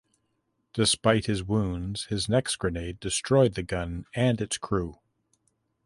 Despite his wounds his next grenade destroyed the gun and its crew.